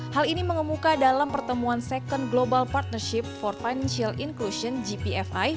hal ini mengemuka dalam pertemuan second global partnership for financial inclusion gpfi